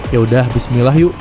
yaudah bismillah yuk